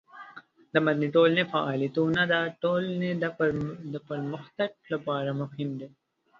د مدني ټولنې فعالیتونه د ټولنې د پرمختګ لپاره مهم دي.